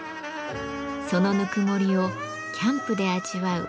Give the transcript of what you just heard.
そのぬくもりをキャンプで味わう